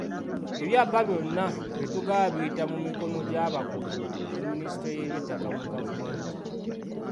Ebyapa byonna byetugaba biyita mu mikono gy’abakugu mu minisitule y’eby'ettaka mu gavumenti.